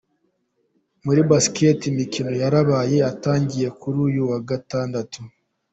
Muri Basketball imikino yarabaye yatangiye kuri uyu wa Gatandatu.